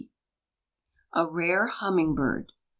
192 A RARE HUMMING BIRD.